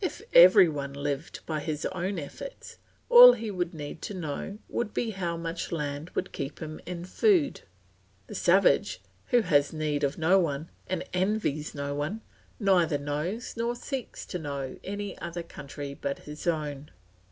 If every one lived by his own efforts, all he would need to know would be how much land would keep him in food. The savage, who has need of no one, and envies no one, neither knows nor seeks to know any other country but his own.